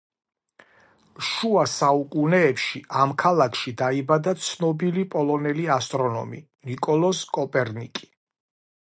შუა საუკუნეებში ამ ქალაქში დაიბადა ცნობილი პოლონელი ასტრონომი ნიკოლოზ კოპერნიკი.